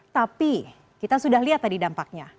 tapi kita sudah lihat tadi dampaknya